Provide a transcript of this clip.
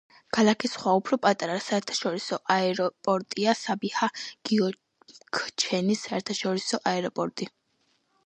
ქალაქის სხვა, უფრო პატარა საერთაშორისო აეროპორტია საბიჰა გიოქჩენის საერთაშორისო აეროპორტი.